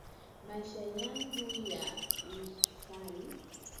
Maisha yangu ya usali.